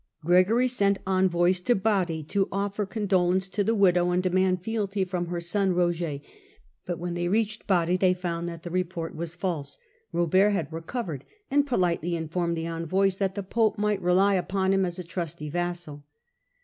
•Gregory sent envoys to Bari to ofier condolence to the Digitized by VjOOQIC 94 HiLDRBRAND widow, and demand fealty from her son Roger, but when they reached Ban they found that the report was false. Robert had recovered, and politely informed the envoys that the pope might rely upon him as a trusty vassal.